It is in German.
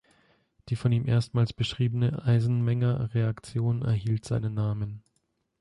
Die von ihm erstmals beschriebene Eisenmenger-Reaktion erhielt seinen Namen.